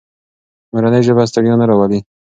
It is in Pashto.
مورنۍ ژبه ستړیا نه راولي.